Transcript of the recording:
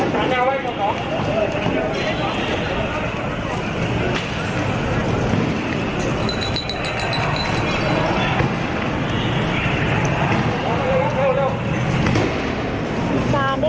สวัสดีครับ